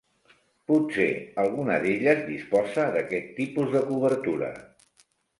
Potser alguna d'elles disposa d'aquest tipus de cobertura.